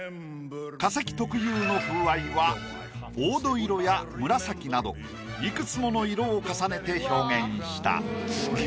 化石特有の風合いは黄土色や紫などいくつもの色を重ねて表現した。